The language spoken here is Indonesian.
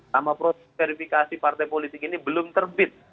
sama proses verifikasi partai politik ini belum terbit